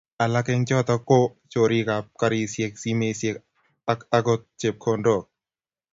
Alak eng choto ko chorikab garisiek, simesiek ak akot chepkondok.